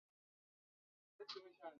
走到这里来